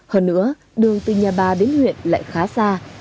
hơn nữa đường từ nhà bà đến huyện lại khá xa